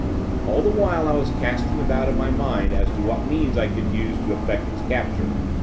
All the while I was casting about in my mind as to what means I could use to effect its capture.